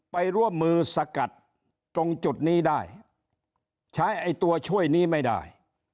ไปร่วมมือสกัดตรงจุดนี้ได้ใช้ไอ้ตัวช่วยนี้ไม่ได้